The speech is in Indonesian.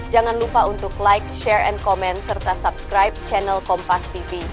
jangan lupa untuk like share and comment serta subscribe channel kompas tv